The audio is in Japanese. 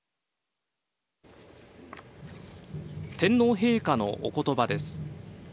天皇陛下のおことばです。